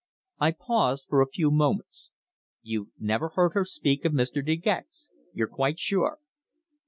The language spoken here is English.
I paused for a few moments. "You've never heard her speak of Mr. De Gex? You're quite sure?"